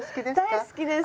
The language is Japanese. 大好きです！